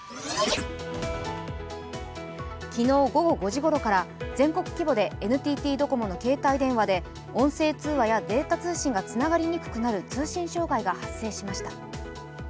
昨日午後５時ごろから、全国規模でＮＴＴドコモの携帯電話で音声通話やデータ通信がつながりにくくなる通信障害が発生しました。